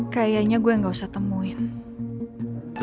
kayaknya saya tidak usah menemukan dia